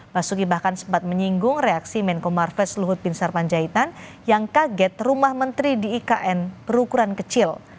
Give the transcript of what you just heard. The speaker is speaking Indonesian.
basuki bahkan sempat menyinggung reaksi menko marves luhut bin sarpanjaitan yang kaget rumah menteri di ikn berukuran kecil